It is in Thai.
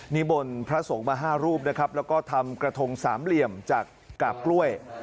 นิมนต์พระสงฆ์มา๕รูปนะครับแล้วก็ทำกระทงสามเหลี่ยมจากกาบกล้วย